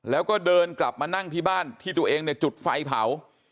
แล้วก็เดินกลับมานั่งที่บ้านที่ตัวเองเนี่ยจุดไฟเผา